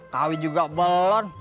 kawin juga belum